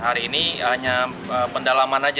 hari ini hanya pendalaman saja